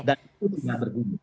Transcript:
dan itu tidak berguna